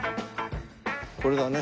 これだね。